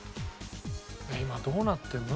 今どうなってるの？